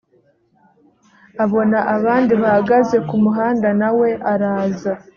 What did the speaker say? abona abandi bahagaze ku muhanda na we araza